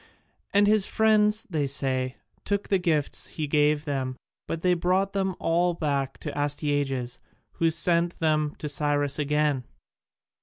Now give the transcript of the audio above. And his friends, they say, took the gifts he gave them, but they brought them all back to Astyages, who sent them to Cyrus again.